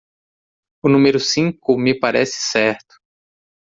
O número cinco me parece certo.